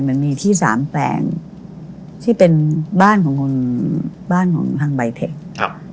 มันมีที่สามแปลงที่เป็นบ้านของคนบ้านของทางใบเทคครับ